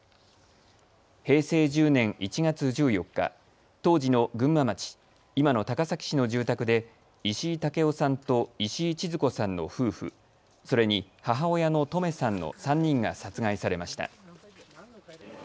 平成１０年１月１４日、当時の群馬町、今の高崎市の住宅で石井武夫さんと石井千津子さんの夫婦、それに母親のトメさんの３人が殺害されました。